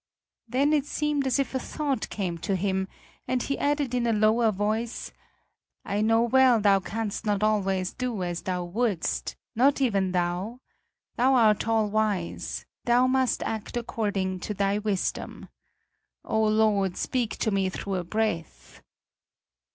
Then it seemed as if a thought came to him, and he added in a lower voice: "I know well Thou canst not always do as Thou wouldst not even Thou; Thou art all wise; Thou must act according: to Thy wisdom. Oh Lord, speak to me through a breath!"